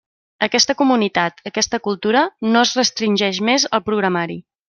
Aquesta comunitat, aquesta cultura, no es restringeix més al programari.